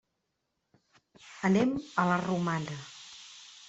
Anem a la Romana.